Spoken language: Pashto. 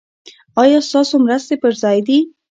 ایا ستاسو مرستې پر ځای دي؟